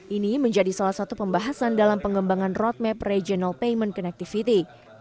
ini menjadi salah satu pembahasan dalam pengembangan roadmap regional payment connectivity